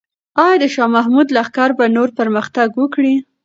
آیا د شاه محمود لښکر به نور پرمختګ وکړي؟